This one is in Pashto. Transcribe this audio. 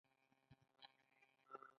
پروا نه کوله.